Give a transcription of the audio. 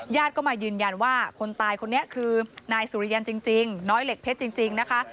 ก็มายืนยันว่าคนตายคนนี้คือนายสุริยันจริงน้อยเหล็กเพชรจริงนะคะ